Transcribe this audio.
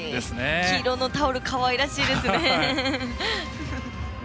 黄色のタオルかわいらしいですね。